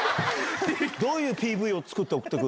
どういうＰＶを作って送ってくるの？